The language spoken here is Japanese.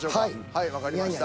はいわかりました。